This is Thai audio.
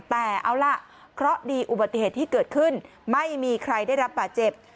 แต่เอาล่ะเคราะห์ดีอุบัติเหตุที่เกิดขึ้นไม่มีใครได้รับบาดเจ็บ